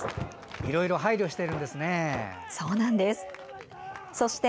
いろいろ配慮しているんですね。